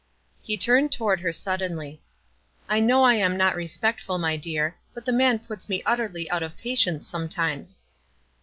He turned toward her suddenly. "I know I am not respectful, my dear; but the man puts me utterly out of patience some times."